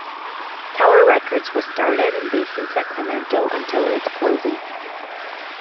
Tower Records was started and based in Sacramento until its closing.